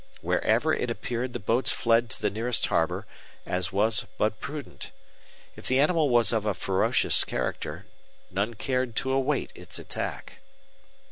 Wherever it appeared the boats fled to the nearest harbor, as was but prudent. If the animal was of a ferocious character, none cared to await its attack.